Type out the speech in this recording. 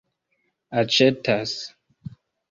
aĉetas